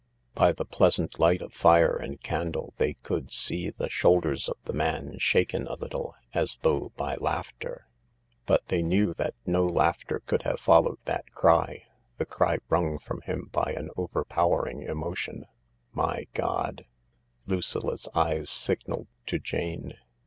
" By the pleasant light of fire and candle they could see the shoulders of the man sliafen a little, as though by laughter ; THE LARK 189 but they knew that no laughter could have followed that cr y — the cry wrung from him by an overpowering emo tion s " My God !" Lucilla's eyes signalled to Jane.